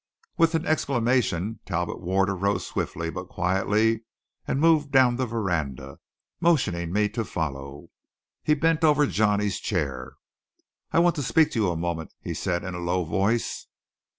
With an exclamation Talbot Ward arose swiftly but quietly and moved down the veranda, motioning me to follow. He bent over Johnny's chair. "I want to speak to you a moment," he said in a low voice.